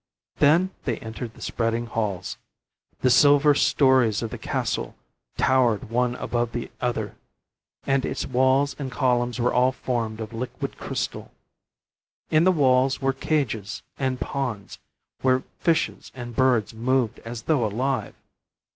Then they entered the spreading halls. The silver stories of the castle towered one above the other, and its walls and columns were all formed of liquid crystal. In the walls were cages and ponds, where fishes and birds moved as though alive.